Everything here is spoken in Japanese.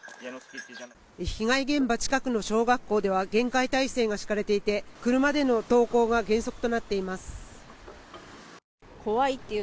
被害現場近くの小学校では厳戒態勢が敷かれていて車での登校が原則となっています。